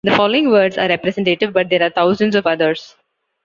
The following words are representative, but there are thousands of others.